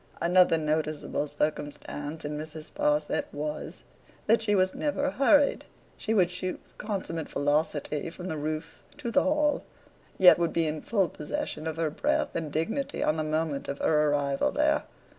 Another noticeable circumstance in Mrs. Sparsit was, that she was never hurried. She would shoot with consummate velocity from the roof to the hall, yet would be in full possession of her breath and dignity on the moment of her arrival there.